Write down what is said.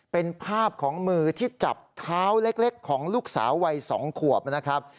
เป็นภาพของมือที่จับเท้าเล็กของลูกสาววัย๒ขวบนะครับ